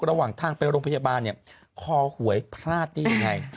ระหว่างทางไปโรงพยาบาลเนี่ยคอหวยพลาดได้ยังไง